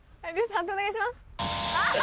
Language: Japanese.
判定お願いします。